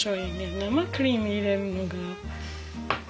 生クリーム入れるのが。